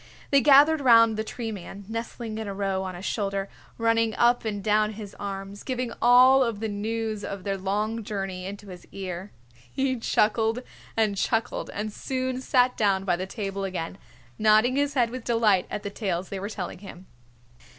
They gathered around the Tree Man, nestling in a row on his shoulder, running up and down his arms, giving all of the news of their long journey into his ear. He chuckled and chuckled and soon sat down by the table again, nodding his head with delight at the tales they were telling him.